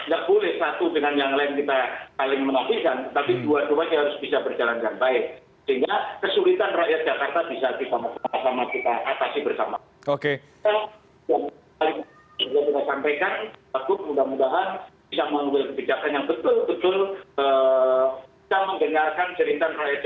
dan kebijakan raya jakarta di saat ini